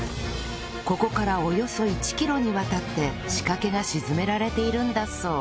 ここからおよそ１キロにわたって仕掛けが沈められているんだそう